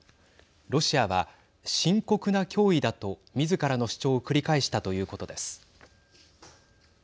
ロシアは深刻な脅威だとみずからの主張を繰り返したということです。